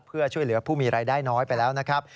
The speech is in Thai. เพื่อช่วยเหลือผู้มีรายได้น้อยไปแล้วนะครับ